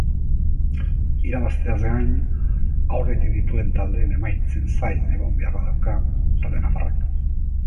Irabazteaz gain aurretik dituen taldeen emaitzen zain egon beharra dauka talde nafarrak.